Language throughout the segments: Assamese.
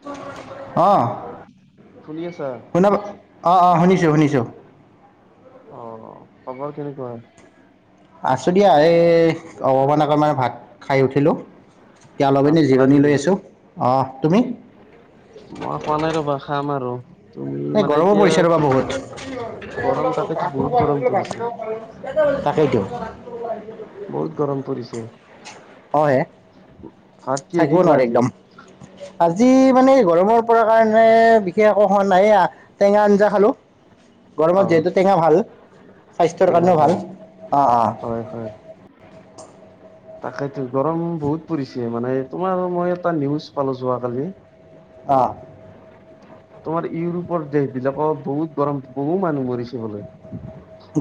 [unintelligible] আহ শুনি আছা শুনাব অ অ শুনিছোঁ শুনিছোঁ অ খবৰ কেনেকুৱা আছোঁ দিয়া এই অকমান আগত ভাত খাই উঠিলোঁ ভাত এতিয়াল'বনে খালা জিৰণি নেকি লৈ আছোঁ অঁ তুমি মই খোৱা নাই ৰবা খাম আৰু তুমি এই মানে গৰমো এতিয়া পৰিছে ৰ'বা কি বহুত গৰম তাকেতো বহুত গৰম পৰিছে তাকেইতো বহুত গৰম পৰিছে অঁ হে ভাত কিহে দি থাকিব নোৱাৰি ভাজি একদম আজি মানে গৰমৰ পৰা কাৰণে বিশেষ একো হোৱা নাই টেঙা আঞ্জা খালোঁ অ গৰমত যিহেতু টেঙা ভাল স্বাস্থ্যৰ টেঙা কাৰণেও ভাত ভাল অঁ অঁ। তাকো গৰম বহুত পৰিছে মানে তোমাৰ মই এটা নিউজ পালো যোৱাকালি। অঁ। তোমাৰ ইউৰোপৰ দেশ বিলাকৰ বহুত গৰম বহুত মানুহ মৰিছে। বোলে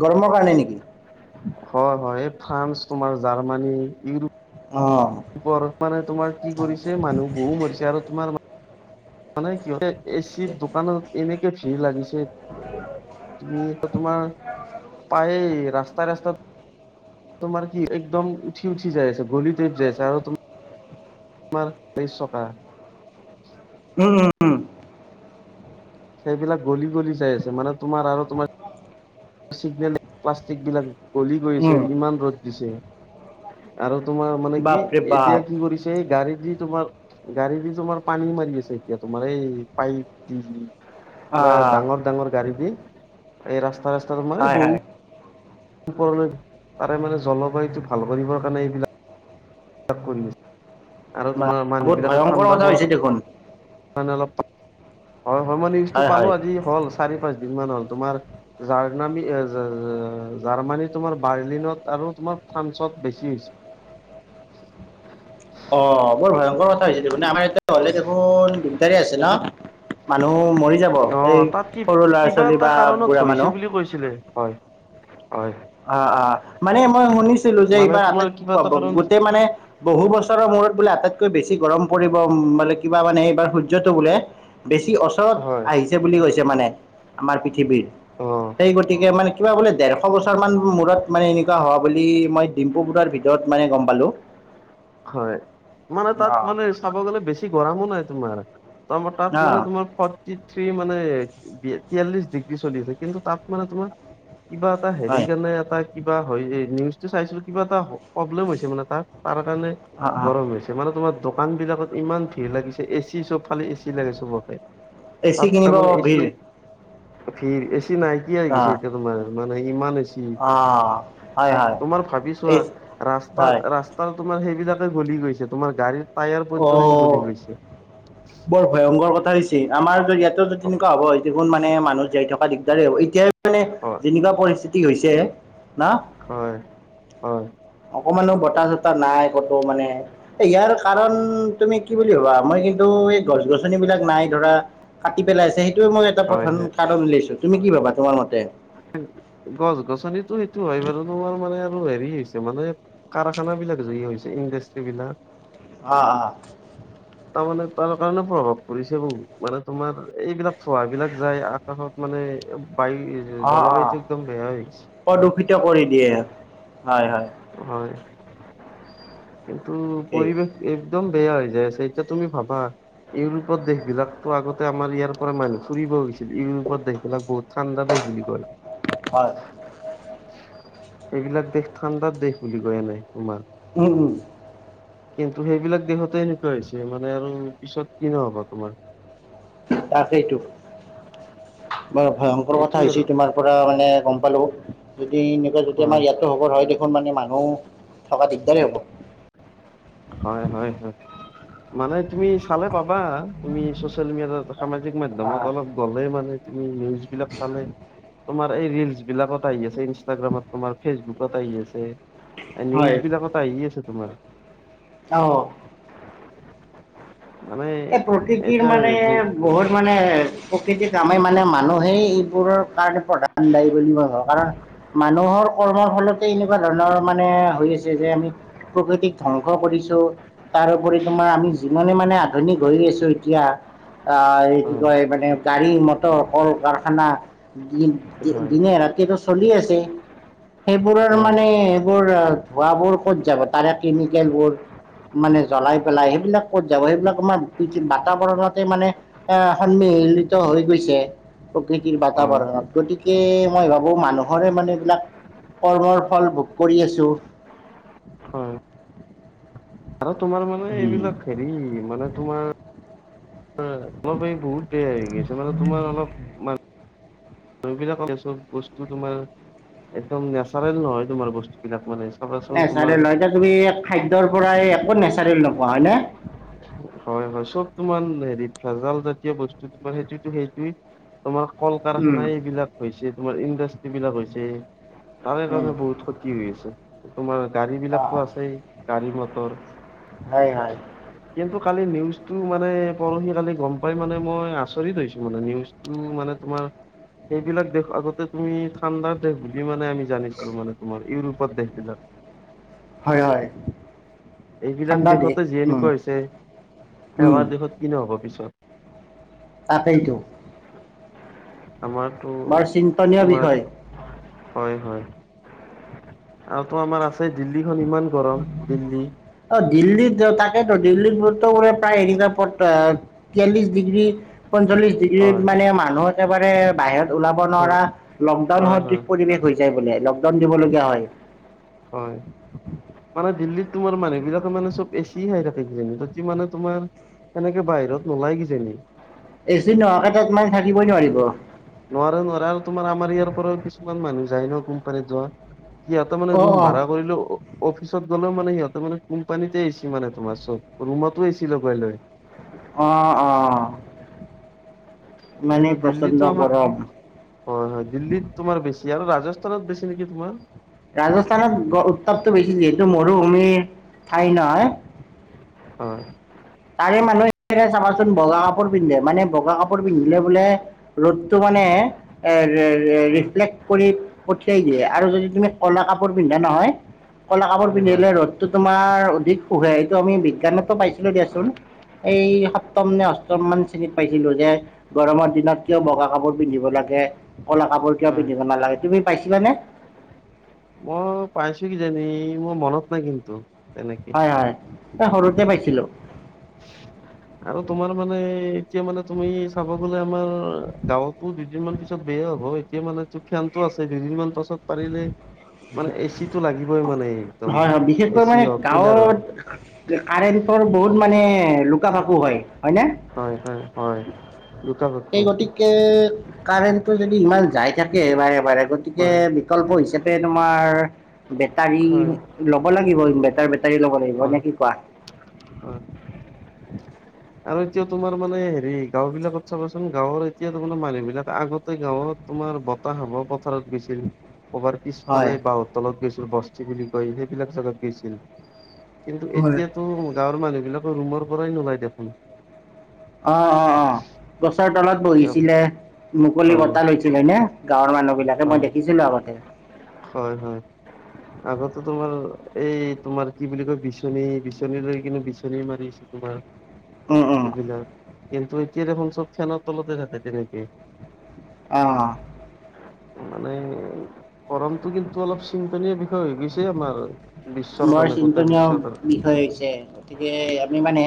গৰমৰ কাৰণে নেকি? হয় হয় এই ফ্ৰান্স, তোমাৰ জাৰ্মানী, ইউৰোপ অঁ ওপৰত মানে তোমাৰ কি কৰিছে মানুহ বহু মৰিছে আৰু তোমাৰ মানে কি এ চি দোকানত এনেকে ভিৰ লাগিছে। তুমি তো তোমাৰ পায় ৰাস্তাই ৰাস্তাত। তোমাৰ কি একদম উঠি উঠি যাইছে গলি প যাইছে আৰু তুমি তোমাৰ ব চকা উম উম উম। সেইবিলাক গলি গলি চাই আছে মানে তোমাৰ আৰু তোমাৰ চিগনে প্লাষ্টিক বিলাক গলি গৈছে উম ইমান ৰ'দ দিছে আৰু তোমাৰ মানে কি বাপৰে এতিয়া বাপ কি কৰিছে এই গাড়ীত যি তোমাৰ গাড়ী দি তোমাৰ পানী মাৰি আছে এতিয়া তোমাৰ এই পাইপ দি বা অঁ ডাঙৰ ডাঙৰ গাড়ী বি এই ৰাস্তা ৰাস্তা মানে হয় হয় বহুত ওপৰলৈ তাৰে মানে জলবায়ুটো ভাল কৰিবৰ কাৰণে এইবিলাক কৰিছে আৰু তোমাৰ বহুত মানুহ বিলাকে ভয়ংকৰ ঠাণ্ডা কথা বৰ হৈছে দেখোন মানে অলপ হয় হয় মই নিউজটো পালোঁ আজি হ'ল চাৰি পাঁচদিনমান হ'ল। তোমাৰ জাৰ্নামী জাৰ্মানী তোমাৰ বাৰ্লিনত আৰু তোমাৰ ফ্ৰান্সত বেছি হৈছে। অ বৰ ভয়ংকৰ কথা হৈছিলে মানে আমাৰ এতিয়া হলে দেখোন দিগদাৰী আছে ন। মানুহ মৰি যাব অ এই তাত কি সৰু ল'ৰা কিবা ছোৱালী এটা বা কাৰণত বুঢ়া হৈছে বুলি মানুহ। কৈছিলে হয়। হয় অ অ মানে মই শুনিছিলো যে মানে এইবাৰ তোমাৰ আটাইত কিবা এটা কাৰণ গোটেই মানে বহু বছৰৰ মূৰত বোলে আটাইতকৈ বেছি গৰম পৰিবলে কিবা মানে এইবাৰ সূৰ্যটো বোলে- বেছি ওচৰত হয় আহিছে বুলি কৈছে মানে। আমাৰ পৃ পৃথিৱীত অ সেই গতিকে মানে কিবা বোলে ডেৰশ বছৰ মূৰত মানে এনেকুৱা হোৱা বুলি মই ডিম্পু বোৰাৰ ভিতৰত মানে গম পালো। হয় মানে তাত মানে চাব গ'লে বেছি গৰমো নাই তোমাৰ। তাত মানে অ', তোমাৰ ফৰ্থী মানে তিয়াল্লিশ ডিগ্ৰী চলি আছে। কিন্তু তাত মানে তোমাৰ কিবা এটা হেৰি হয়, কেনে এটা- কিবা হয় এই নিউজটো চাইছিলো কিবা এটা প্ৰব্লেম হৈছে মানে তাৰ তাৰ কাৰণে অ', অ', গৰম হৈছে মানে তোমাৰ দোকান বিলাকত ইমান ভিৰ লাগিছে এচি চব ফালে এচি লাগে চবকে। এচি তাত কিনিব তাৰমানমানে ভিৰ এছিয়ে ফিৰ এ ছি নাইকিয়া হৈ গেইছে অ', এতিয়া তোমাৰ। মানে ইমান হৈ গেছীয়। অ', হয়, হয়, তোমাৰ ভাবি এই চোৱা, ৰাস্তা হয়, ৰাস্তাৰ তোমাৰ সেই ফিটাডাল গলি গৈছে। তোমাৰ গাড়ীৰ টায়াৰ পৰ্যন্ত গলি অ', গৈছে। বৰ ভয়ংকৰ কথা হৈছে আমাৰ ইয়াতো যদি তেনেকুৱা হ'ব দেখোন মানে মানুহ জীয়াই থকা দিগদাৰ হ'ব। এতিয়া মানে হয় যেনেকুৱা পৰিস্থিতি হৈছে। না হয়-হয়। অকনমানো বতাহ চতাহ নাই ক'তো মানে। ইয়াৰ কাৰণ তুমি কি বুলি ভাবা? মই কিন্তু কৈ, গছ গছনি বিলাক নাই ধৰা, কাটি পেলাইছে। মই এটা হয় প্ৰধান হয় উত্থাপন উলাইছো। তুমি কি ভাবা? তোমাৰ ম গছ গছনিতো সেইটো হয় বাৰু। তোমাৰ মানে আৰু হেৰি হৈছে মানে কাৰখানা বিলাক যে হৈছে, ইণ্ডাষ্ট্ৰী বিলাক। অ' অ'। তাৰ মানে তাৰ কাৰণে প্ৰভাৱ পৰিছে বহুত। মানে তোমাৰ এইবিলাক চোৱা, এই বিলাক যায় আকাশত মানে বাই অ' অ'। প্ৰদূষিত কৰি দিয়ে। হয়, হয়। হয় কিন্তু ঠিকেই পৰিৱেশ একদম বেয়া হৈ যায় আছে। এতিয়া তুমি ভাবা ইউৰোপত দেশ বিলাকতো আগতে আমাৰ ইয়াৰ পৰা মানুহ ফুৰিব গৈছ ইউৰোপত দেশ বিলাক বহুত ঠাণ্ডা দেশ বুলি কয় হয়। এইবিলাক দেশ ঠাণ্ডাৰ দেশ বুলি কয় এনেই তোমাৰ। উ, উ। কিন্তু সেইবিলাক দেশতে হেকুৱা হৈছে মানে আৰু পিছত কি নহ'ব তোমাৰ। তাকেইতো, বৰ ভয়ংকৰ কথা এইটোয়ে আৰু হৈছে তোমাৰ। পৰা মানে গম পালো, যদি এনেকুৱা যদি হয় আমাৰ ইয়াতো হ'ব ধৰে দেখোন মানে মা মানুহ থকা দিগদাৰেই হ'ব। হয়, হয়, হয়। মানে তুমি চালে পাবা, তুমি চচিয়েল মি এটাত সামাজিক মাধ্যমত অলপ গ'লে মানে তুমি নিউজ বিলাক চালে তোমাৰ এই ৰিলচ বিলাকত আহি আছে, ইনষ্টাগ্ৰামত, তোমাৰ ফেচবুকত আহি আছে। নিউজ হয় বিলাকত আহি আছে তোমাৰ। অ'। মানে এই প্ৰকৃতিৰ এতিয়া মানে বু বহুত মানে প্ৰকৃতিত আমি মানে মানুহেই এইবোৰৰ কাৰণ প্ৰধান দায়ী বুলি মই ভাবো। কাৰণ মানুহৰ কৰ্মৰ ফলতে এনেকুৱা ধৰণৰ মানে হৈ হৈছে যে, আমি প্ৰকৃতিক ধ্বংস কৰিছোঁ, তাৰ উপৰি তোমাৰ আমি যিমানে মানে আ আধুনিক হৈ গেছো এতিয়া, আ এই কি হয় কয় মানে গাড়ী-মটৰ, কল-কাৰখানা হয় দিন-দি-দিনে ৰাতিয়েটো চলি আছে। সেইবোৰৰ হয় মানে এইবোৰ, ধোঁৱাবোৰ ক'ত যাব তাৰে কেমিকেলবোৰ মানে জ্বলাই পেলাই সেইবিলাক ক'ত যাব? সেইবিলাক আমাৰ পৃথি, বাতাবৰণতে মানে এ সন্মিহিলিত হৈ গৈছে। প্ৰকৃতিৰ হয় বাতাবৰণত। গতিকে, মই ভাবোঁ মানুহৰে মানে এইবিলাক কৰ্মৰ ফল ভোগ কৰি আছোঁ। হয়। আৰু তোমাৰ মানে উম। এইবিলাক হেৰি, মানে তোমাৰ হেৰি আছে মানে, তোমাৰ অলপ মান এইবিলাক, এয়া চব বস্তু তোমাৰ একদম নেচাৰেল নহয় তোমাৰ বস্তুবিলাক মানে। চাবাচোন তোমাৰ নেচাৰেল হয়। এতিয়া তুমি খাদ্যৰ পৰাই একো নেচাৰেল নোপোৱা হয় নে? হয়, হয়। চব তোমাৰ হেৰি ভেজাল জাতীয় বস্তু তোমাৰ সেইটোটো সেইটোয়ে তোমাৰ উম, কল-কাৰখানা এইবিলাক হৈছে, তোমাৰ ইণ্ডাষ্ট্ৰীবিলাক হৈছে। তাৰে উম, কাৰণে বহুত ক্ষতি হৈ আছে। তোমাৰ গাড়ী অ', বিলাকতো অ', আছেই। গাড়ী-মটৰ হয়, হয়। কিন্তু, কালি নিউজটো মানে পৰহি কালি গম পাই মানে মই আচৰিত হৈছো মানে নিউজটো মা মানে তোমাৰ, সেইবিলাক দেশ আগতে তুমি ঠাণ্ডাৰ দেশ বুলি মানে আমি জানিছিলো মানে তোমাৰ ইউৰোপত দেশবিলাক। হয়, হয়, এইবিলাক ঠাণ্ডা দেশ দেখতে জীয়ায়ো উম, কৰিছে। উম, আমাৰ দেশত কি নহ'ব পিছত। তাকেইটো। আমাৰতো, চিন্তনীয় তোমাৰ বিষয়। হয়, হয়। আৰু তো আমাৰ আছেই দিল্লীখন ইমান গৰম। দিল্লী অ দিল্লীত ত-তাকেতো দিল্লীত বৰ্তমানে প্ৰায় [unintelligible] তিয়াল্লিশ ডিগ্ৰী পঞ্চল্লিশ ডিগ্ৰীত হয় মানে মানুহ একেবাৰে বাহিৱত ওলাব হয় নোৱাৰা লকডাউন হয় সদৃশ হয় পৰিৱেশ হৈ যায় বোলে। লকডাউন দিবলগীয়া হয়। হয়। মানে দিল্লীত তোমাৰ মানুহ বিলাকে মানে চব এচি খাই থাকে হেবিলাকে। সিহঁতি মানে তোমাৰ এনেকে বাহিৰত নোলাই কিজানি। এচিত নোহোৱাকে তাত মানে থাকিবই নোৱাৰিব। নোৱাৰে নোৱাৰে, আৰু তোমাৰ আমাৰ ইয়াৰ পৰাও কিছুমান মানুহ যায় ন, কোম্পানীত যোৱা। সিহঁতে মানে অ ৰুম অ ভাড়া কৰিলও অফিচত গ'লে মানে সিহঁতে মানে কোম্পানীতে এচি মানে তোমাৰ চব ৰুমতো এচি লগাই লৈ। অঁ, অঁ। কিন্তু দিল্লী গৰম আমাৰ হয় হয় দিল্লীত তোমাৰ বেছি। এতিয়া আৰু ৰাজস্থানত বেছি নেকি তোমাৰ। ৰাজস্থানত উত্তাপটো বেছি যিহেতু মৰুভূমিৰ ঠাই নহয়। হয়। তাৰে মানুহে চাবাচোন বগা কাপোৰ পিন্ধে মানে বগা কাপোৰ পিন্ধিলে বোলে ৰ'দতটো মানে। মানে এ ৰে হয় ৰেফ্লেষ কৰি পঠিয়াই দিয়ে আৰু যদি তুমি কলা কাপোৰ পিন্ধা নহয়। কলা কাপোৰ হয় হয় পিন্ধিলে ৰদতো তোমাৰ অধিক শুখে এইটো আমি বিজ্ঞানতো পাইছিলো। হয় এই সপ্তম নে অষ্টম মান চিন পাইছিলো যে গৰমৰ দিনত কিয় বগা কাপোৰ পিন্ধিব লাগে। ক'লা কাপোৰ কিয় হয় পিন্ধিবমান লাগে তুমি পাইছিলা নে? মই পাইছো কিজানি মোৰ মনত নাই কিন্তু। তেনেকে হয় হয় ত সৰুতে পাইছিলো। আৰু তোমাৰ মানে এতিয়া মানে তুমি চাব গলে। মাৰ গাঁৱতো দুদিনমান পি বেয়া হ'ব এতিয়া মানে তো ফেন টো আছে দুইদিনমান পাছত পাৰিলে। মানে এ চি টো লাগিবই মানে একদম হয় হয় এ বিশেষকৈ চি মানে হওক কুলাৰ হওক গাঁৱত। কাৰেণ্টৰ বহুত মানে লুকা ভাকু হয়। হয়নে হয় হয় হয় দুটা বস্তু এই গতিকে কাৰেণ্টটো যদি ইমান যাই থাকে বাৰে বাৰে গতিকে হয় বিকল্প হিচাপে তোমাৰ বেটাৰী হয় লব লাগিব বেটাৰ। কাইলৈ ল'ব লাগিব হয় নে কি কোৱা। হয় আৰু এতিয়া তোমাৰ মানে হেৰি গাওঁ বিলাকত চাবাচোন গাঁৱৰ এতিয়া তো মে মানুহ বিলাক আগতে গাঁৱত তোমাৰ মাৰ বতাহ বৰ পথাৰত গৈছিল কবাৰ হয় পিছফালে বাঁহৰ তলত গৈছিল বস্তি বুলি কয় সেইবিলাক জাগাত গৈছিল। কিন্তু হয় এতিয়াতো গাঁৱৰ মানুহ এইবিলাকৰ ৰুমৰ পৰাই নোলায় দেখোন। অৱ অৱ অৱ গছৰ তলত বহিছিলে মুকলি হয় বতাহ লৈছিলে নে? গাঁৱৰ মানুহ বিলাকে মই হয় দেখিছিলো আগতে হয় হয় আগতে তোমাৰ এই তোমাৰ কি বুলি কয় বিচনী বিচনী লৈ কিন্তু বিচনী মাৰি আছে, তোমাৰ। উম উম এইবিলাক, কিন্তু এতিয়া দেখোন চব ফেনৰ তলতে থাকে তেনেকে। অৱ। মানে গৰমতটো কিন্তু অলপ চিন্তনীয় বিষয় হৈ গৈছে। আমাৰ বিশ্বৰ বৰ কাৰণে গোটেই চিন্তনীয় বিশ্বৰ কাৰণে বিষয় হৈছে, গতিকে আমি মানে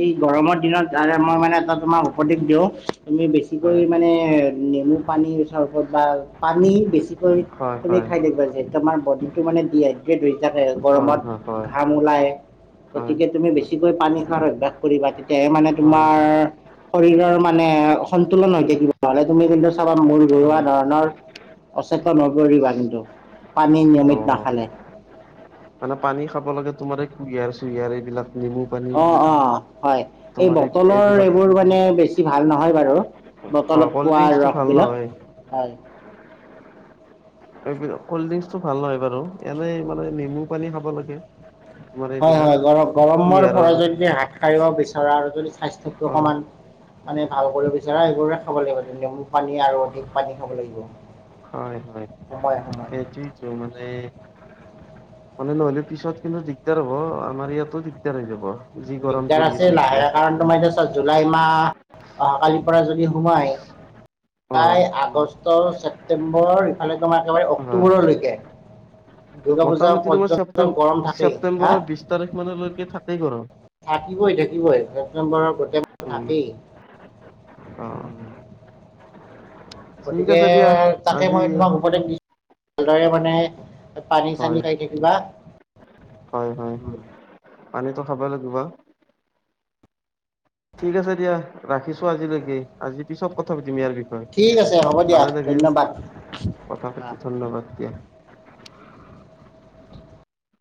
এই গৰমৰ দিনত আৰামৰ মানে এটা তোমাক উপদেশ দিওঁ তুমি বেছিকৈ হয় মানে নেমু পানীৰ চৰবত বা পানী বেছিকৈ হয় তুমি হয় খাই থাকিবা। যিহেতু তোমাৰ বডিতো বডিতো মানে ডিহাইড্ৰেত হয়। যাতে হয় গৰমত হয় ঘাম ওলায়, হয় গতিকে তুমি বেছিকৈ পানী খোৱাৰ অভ্যাস কৰিবা। তেহে মানে হয় তোমাৰ হয় শৰীৰৰ মানে সন্তোলন হৈ থাকিব নহলে তুমি কিন্তু চাবা মূৰ ঘৰুৱা হয় ধৰণৰ অচেতন হৈ পৰিবা কিন্তু পানী অ নিয়মিত নাখালে। মানে পানী খাব লাগে তোমাৰ এই কুঁহিয়াৰ চুহিয়াৰ এইবিলাক নেমু পানী অৱ অৱ হয় এই তোমাৰ বটলৰ এইবিলাক এইবোৰ মানে বেছি ভাল নহয় বাৰু। বটলত কল্ড পোৱা ড্ৰিংকচটো ৰস ভাল বিলাক, নহয় হয়। এইবিলাক কল্ডড্ৰিংকচটো ভাল নহয় বাৰু এনেই মানে নেমু পানী খাব লাগে। তোমাৰ হয় এইবিলাক হয় গৰম গৰমৰ কুঁহিয়াৰৰ পৰা যদি হাত সাৰিব বিচৰা আৰু যদি স্বাস্থ্যটো হয় অকমান মানে ভাল কৰিব বিচাৰা এইবোৰে খাব লাগিব নেমু পানী আৰু অধিক পানী খাব লাগিব। হয় হয় সময়ে সময়ে সেইটোৱেটো মানে মানে নহ'লে পিছত কিন্তু দিগদাৰ হ'ব আমাৰ ইয়াতো দিগদাৰ হৈ যাব যি গৰম দিগদাৰ পৰি আছে এতিয়া লাহে কাৰণ তোমাৰ এতিয়া চা জুলাই মাহ অহাকালি পাৰা যদি সোমাই অ প্ৰায় আগষ্ট ছেপ্টেম্বৰ ইফালে তোমাৰ একেবাৰে হয় অক্টোবৰলৈকে দুৰ্গা পূজা মোটামুটি তোমাৰ পৰ্যন্ত ছেপ্টেম গৰম থাকেই হা ছেপ্টেম্বৰৰ বিশ তাৰিখ মানলৈকে থাকেই গৰম থাকিবই থাকিবই ছেপ্টেম্বৰৰ গোটেই মাহ উম থাকেই অ ঠিক গতিকে আছে দিয়া তাকে আজি মই তোমাক উপদেশ দি ভালদৰে মানে পানী চানী হয় খাই থাকিবা হয় হয় পানীটো খাবই লাগিব ঠিক আছে দিয়া ৰাখিছো আজিলৈকে আজি পিছত কথা পাতিম ইয়াৰ বি হয় ঠিক আছে হ'ব দিয়া ভালে ধন্যবাদ লাগিল কথা অ পাতি ধন্যবাদ দিয়া।